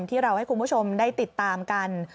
ที่เราให้คุณผู้ชมได้ติดตามกัน